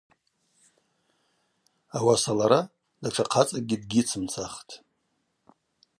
Ауаса лара датша хъацӏакӏгьи дыгьйыцымцахтӏ.